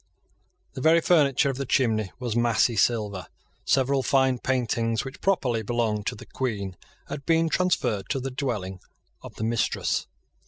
The very furniture of the chimney was massy silver. Several fine paintings, which properly belonged to the Queen, had been transferred to the dwelling of the mistress.